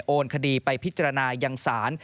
โอนคดีไปพิจารณายังศาล